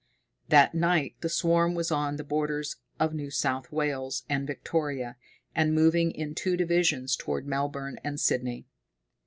That night the swarm was on the borders of New South Wales and Victoria, and moving in two divisions toward Melbourne and Sydney.